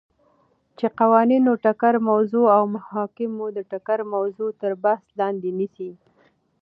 چی قوانینو ټکر موضوع او محاکمو د ټکر موضوع تر بحث لاندی نیسی ،